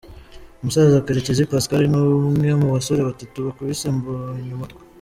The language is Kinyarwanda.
Umusaza Karekezi Pascal ni umwe mu basore batatu bakubise Mbonyumutwa.